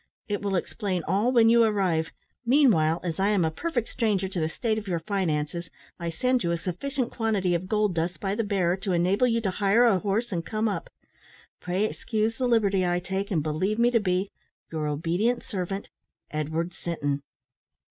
It will explain all when you arrive; meanwhile, as I am a perfect stranger to the state of your finances, I send you a sufficient quantity of gold dust by the bearer to enable you to hire a horse and come up. Pray excuse the liberty I take, and believe me to be, "Your obedient servant, "Edward Sinton."